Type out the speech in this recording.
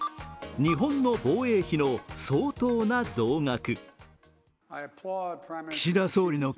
日本の防衛費の相当な増額。